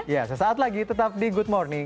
ya sesaat lagi tetap di good morning